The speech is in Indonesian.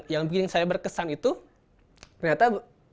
yang bikin saya berkesan itu ternyata